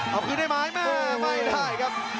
เอาคืนได้ไหมแม่ไม่ได้ครับ